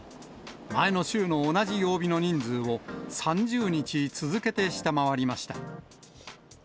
前の週の同じ曜日の人数を、３０日続けて下回りました。